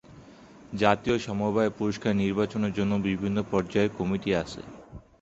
জাতীয় সমবায় পুরস্কার নির্বাচনের জন্য বিভিন্ন পর্যায়ের কমিটি আছে।